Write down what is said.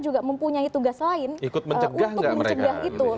juga mempunyai tugas lain untuk mencegah itu